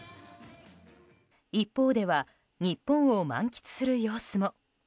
一方では日本を満喫する様子も。